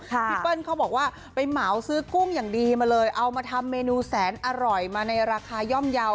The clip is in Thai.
พี่เปิ้ลเขาบอกว่าไปเหมาซื้อกุ้งอย่างดีมาเลยเอามาทำเมนูแสนอร่อยมาในราคาย่อมเยาว์